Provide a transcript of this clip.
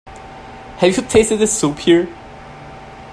Have you tasted the soup here?